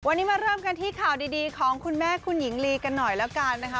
วันนี้มาเริ่มกันที่ข่าวดีของคุณแม่คุณหญิงลีกันหน่อยแล้วกันนะคะ